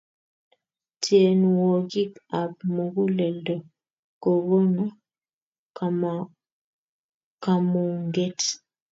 tienwokik ap mukuleldo kokona kamunget